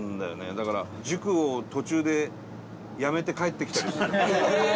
だから、塾を途中でやめて帰ってきたりしてた。